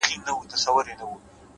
بریالي خلک له ماتې درس اخلي؛